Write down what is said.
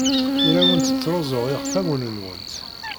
Ur awent-ttruẓuɣ iɣfawen-nwent.